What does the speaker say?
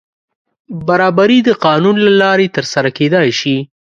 برابري د قانون له لارې تر سره کېدای شي.